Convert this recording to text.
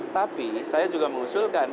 tapi saya juga mengusulkan